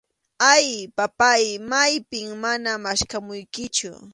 Ay, papáy, maypim mana maskhamuykichu.